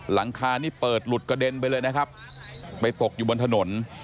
หลังคานี่เปิดหลุดกระเด็นไปเลยนะครับไปตกอยู่บนถนน